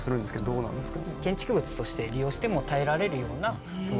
そうなんですか？